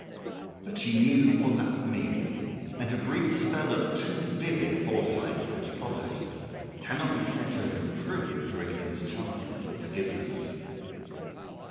But she knew what that would mean, and a brief spell of too vivid foresight, which followed, cannot be said to have improved Rigden's chances of forgiveness.